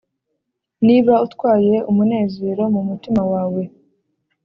niba utwaye umunezero mumutima wawe,